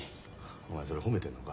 お前それ褒めてんのか？